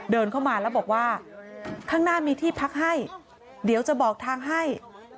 เดินเข้ามาแล้วบอกว่าข้างหน้ามีที่พักให้เดี๋ยวจะบอกทางให้